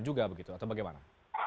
juga begitu atau bagaimana